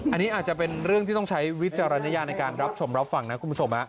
อันนี้อาจจะเป็นเรื่องที่ต้องใช้วิจารณญาณในการรับชมรับฟังนะคุณผู้ชม